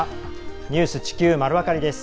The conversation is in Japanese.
「ニュース地球まるわかり」です。